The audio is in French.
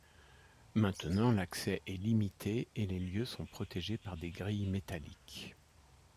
Maintenant, l'accès est limité, et les lieux sont protégés par des grilles métalliques.